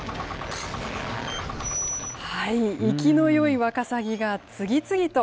生きのよいワカサギが次々と。